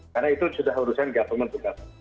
karena itu sudah urusan government juga